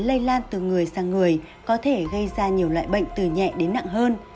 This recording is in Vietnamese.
lây lan từ người sang người có thể gây ra nhiều loại bệnh từ nhẹ đến nặng hơn